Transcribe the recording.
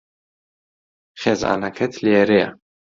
خێزانەکەت لێرەیە.